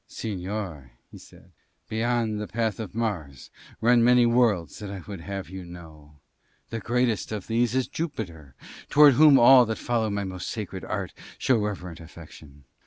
"Señor," he said, "beyond the path of Mars run many worlds that I would have you know. The greatest of these is Jupiter, towards whom all that follow my most sacred art show reverent affection.